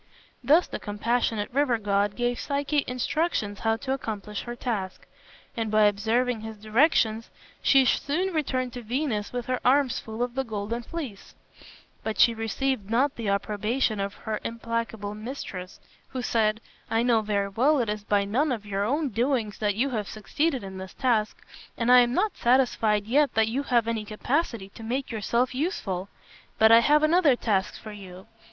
Thus the compassionate river god gave Psyche instructions how to accomplish her task, and by observing his directions she soon returned to Venus with her arms full of the golden fleece; but she received not the approbation of her implacable mistress, who said, "I know very well it is by none of your own doings that you have succeeded in this task, and I am not satisfied yet that you have any capacity to make yourself useful. But I have another task for you.